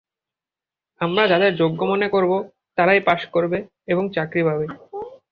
আমরা যাদের যোগ্য মনে করব, তারাই পাস করবে এবং চাকরি পাবে।